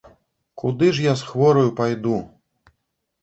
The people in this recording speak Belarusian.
Куды ж я з хвораю пайду!